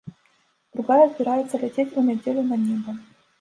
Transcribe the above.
Другая збіраецца ляцець у нядзелю на неба.